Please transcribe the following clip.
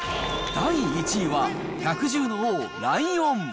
第１位は、百獣の王、ライオン。